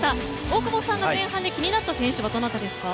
大久保さんが前半で気になった選手はどなたですか？